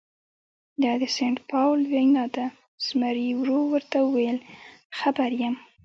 دا د سینټ پاول وینا ده، زمري ورو ورته وویل: خبر یم.